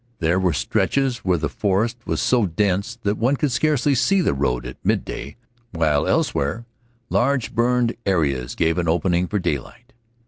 There were stretches where the forest was so dense that one could scarcely see to read at midday, while elsewhere large burned areas gave an opening for daylight.